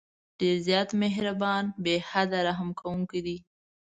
ډېر زیات مهربان، بې حده رحم كوونكى دى.